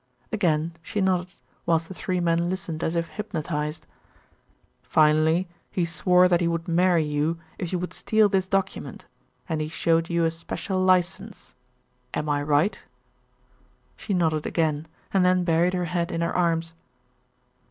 Again she nodded, whilst the three men listened as if hypnotised. "Finally he swore that he would marry you if you would steal this document, and he showed you a special license. Am I right?" She nodded again, and then buried her head in her arms.